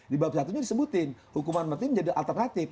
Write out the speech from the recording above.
di bungkus satu disebutin hukuman mati menjadi alternatif